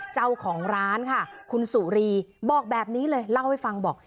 เจ้าของร้านค่ะคุณสุรีบอกแบบนี้เลยเล่าให้ฟังบอก